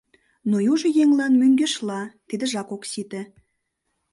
Но южо еҥлан, мӧҥгешла, тидыжак ок сите.